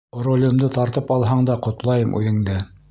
Ролемде тартып алһаң да ҡотлайым үҙеңде!